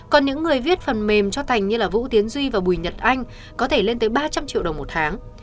còn những người viết phần mềm cho thành như là vũ tiến duy và bùi nhật anh có thể lên tới ba trăm linh triệu đồng một tháng